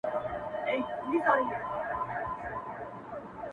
د انسانانو احساسات د کامرې تر شا پټ پاته کيږي-